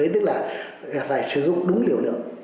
tức là phải sử dụng đúng liều lượng